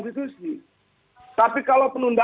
itu juga bisa ditunda